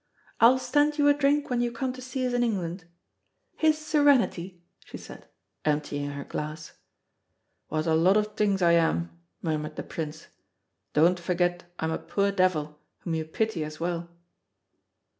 I'll stand you a drink when you come to see us in England. His Serenity," she said, emptying her glass. "What a lot of things I am," murmured the Prince. "Don't forget I'm a poor devil whom you pity as well."